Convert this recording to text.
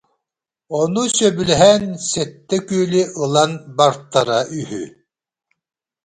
Ону сөбүлэһэн сэттэ күөлү ылан бартара үһү